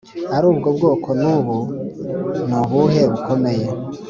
ari ubwo bwoko n’ubu nubuhe bukomeye